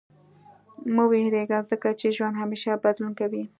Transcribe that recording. • مه وېرېږه، ځکه چې ژوند همېشه بدلون کوي.